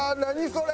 それ！